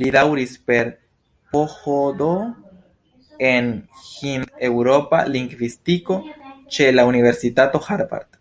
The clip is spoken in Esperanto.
Li daŭris per PhD en hind-eŭropa lingvistiko ĉe la Universitato Harvard.